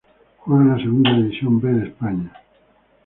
Juega en la Segunda División B de España.